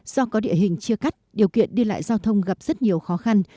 do có địa hình chia cắt điều kiện đi lại giao thông gặp rất nhiều khó khăn